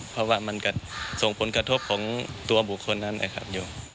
เพราะว่ามันก็ส่งผลกระทบของตัวบุคคลนั้นนะครับ